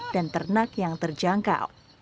dan ternak yang terjangkau